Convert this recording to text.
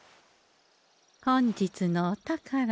本日のお宝。